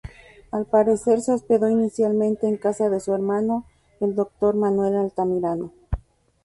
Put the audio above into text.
Al parecer, se hospedó inicialmente en casa de su hermano, el doctor Manuel Altamirano.